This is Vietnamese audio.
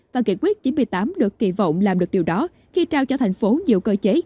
và nghị quyết chín mươi tám được kỳ vọng làm được điều đó khi trao cho thành phố nhiều cơ chế